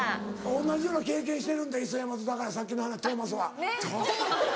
同じような経験してるんだ磯山とだからさっきの話トーマスは。